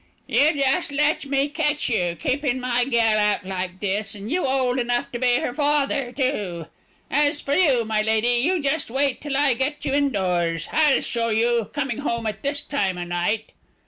"You just let me catch you, keeping my gal out like this, and you old enough to be her father, too. As for you, my lady, you just wait till I get you indoors. I'll show you, coming home at this time o' night."